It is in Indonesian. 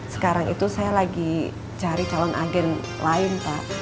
sekarang itu saya lagi cari calon agen lain pak